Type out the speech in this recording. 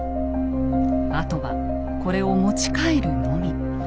あとはこれを持ち帰るのみ。